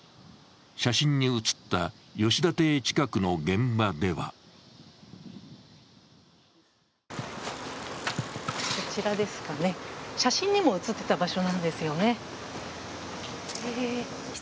写真に写った吉田邸近くの現場ではこちらですかね、写真にも写ってた場所なんですよね。